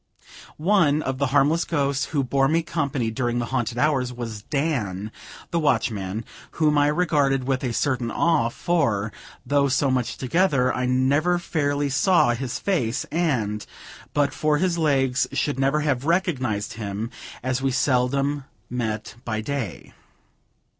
One of the harmless ghosts who bore me company during the haunted hours, was Dan, the watchman, whom I regarded with a certain awe; for, though so much together, I never fairly saw his face, and, but for his legs, should never have recognized him, as we seldom met by day.